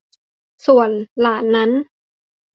ส่วนหลานนั้น